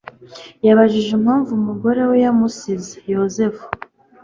Yibajije impamvu umugore we yamusize. (Yozefu)